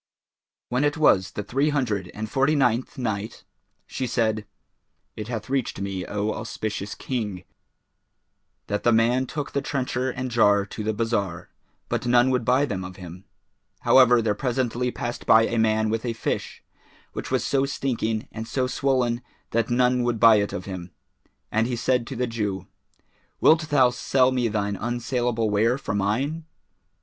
When it was the Three Hundred and Forty ninth Night, She said, It hath reached me, O auspicious King, that the man took the trencher and jar to the bazar, but none would buy them of him. However there presently passed by a man with a fish which was so stinking and so swollen that no one would buy it of him, and he said to the Jew, "Wilt thou sell me thine unsaleable ware for mine?"